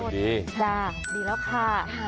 ดีแล้วค่ะ